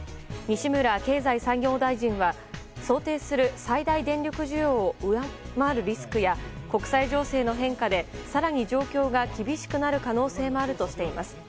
西村経済産業大臣は想定する最大電力需要を上回るリスクや国際情勢の変化で更に状況が厳しくなる可能性もあるとしています。